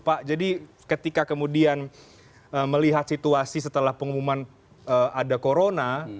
pak jadi ketika kemudian melihat situasi setelah pengumuman ada corona